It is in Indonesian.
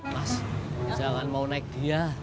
mas jangan mau naik dia